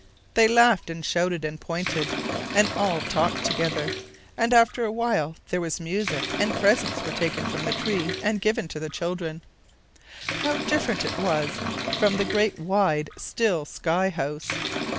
They laughed and shouted and pointed, and all talked together, and after a while there was music, and presents were taken from the tree and given to the children. How different it all was from the great wide, still sky house!